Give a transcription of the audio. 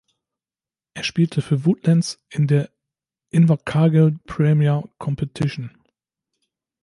Er spielte für Woodlands in der Invercargill Premier Competition.